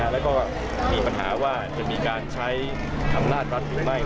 แล้วก็มีปัญหาว่าจะมีการใช้อำนาจรัฐหรือไม่